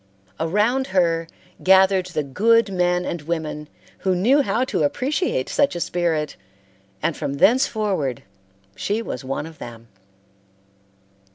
Around her gathered the good men and women who knew how to appreciate such a spirit, and from thenceforward she was one of them.